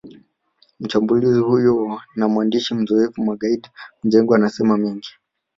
Mchambuzi huyo na mwandishi mzoefu Maggid Mjengwa anasema mengi